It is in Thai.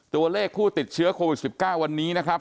ตัวเลขผู้ติดเชื้อโควิด๑๙วันนี้นะครับ